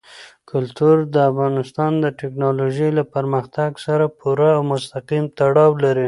کلتور د افغانستان د تکنالوژۍ له پرمختګ سره پوره او مستقیم تړاو لري.